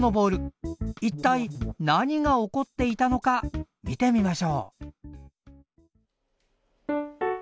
一体何が起こっていたのか見てみましょう。